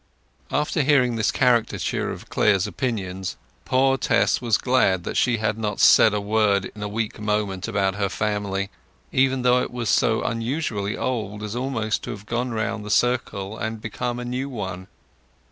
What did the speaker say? After hearing this caricature of Clare's opinion poor Tess was glad that she had not said a word in a weak moment about her family—even though it was so unusually old almost to have gone round the circle and become a new one.